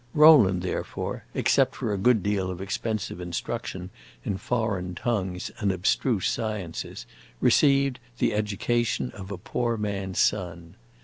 Rowland, therefore, except for a good deal of expensive instruction in foreign tongues and abstruse sciences, received the education of a poor man's son.